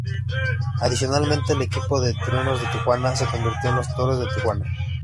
Adicionalmente el equipo de Truenos de Tijuana se convirtió en los Toros de Tijuana.